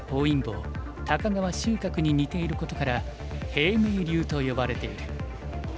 秀格に似ていることから平明流と呼ばれている。